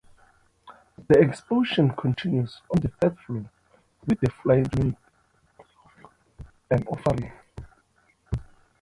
The exposition continues on the third floor, with "The Flying Chamanic" and "The Offering".